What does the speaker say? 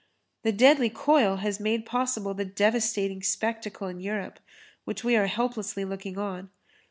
The deadly coil has made possible the devastating spectacle in Europe, which we are helplessly looking on.